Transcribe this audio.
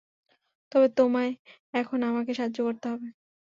তবে তোমায় এখন আমাকে সাহায্য করতে হবে।